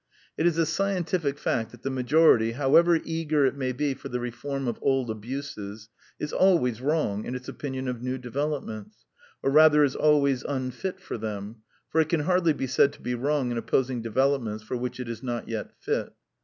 It is a scientific fact that the majority, however eager it may be for the reform of old abuses, is always wrong in its opinion of new developments, or rather is always unfit for them (for it can hardly be said to be wrong in opposing develop ments for which it is not yet fit)